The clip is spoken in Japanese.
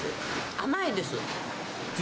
甘いです。